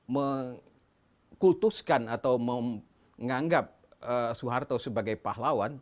mengkultuskan atau menganggap soeharto sebagai pahlawan